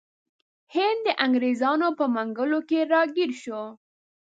هند د انګریزانو په منګولو کې راګیر شو.